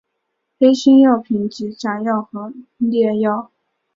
黑心药品即假药和劣药。